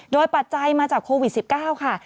โดยปัจจัยมาจากโควิด๑๙ค่ะ